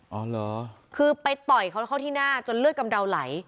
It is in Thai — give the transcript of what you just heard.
อ๋อเหรอคือไปต่อยเขาเข้าที่หน้าจนเลือดกำเดาไหล